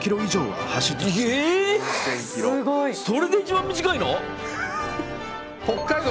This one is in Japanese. すごい。それで一番短いの？